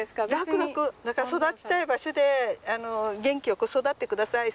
だから「育ちたい場所で元気よく育って下さい。